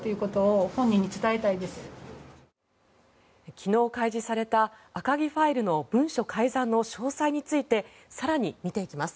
昨日開示された赤木ファイルの文書改ざんの詳細について更に見ていきます。